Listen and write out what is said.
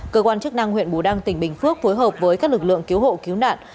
cơ quan chức năng huyện bù đăng tỉnh bình phước phối hợp với các lực lượng cứu hộ cứu nạn